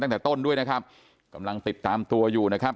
ตั้งแต่ต้นด้วยนะครับกำลังติดตามตัวอยู่นะครับ